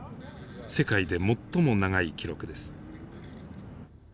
世界で最も長い記録です。